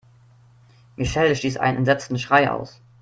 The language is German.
Michelle stieß einen entsetzten Schrei aus.